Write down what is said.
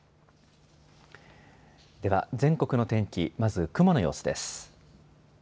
では全国の天気、まず雲の様子です。